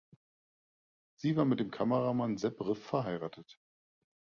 Sie war mit dem Kameramann Sepp Riff verheiratet.